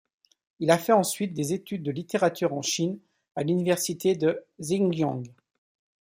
Il fait ensuite des études de littérature en Chine à l'université de Zhejiang.